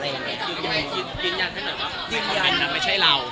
ยินยันไม่ใช่เรา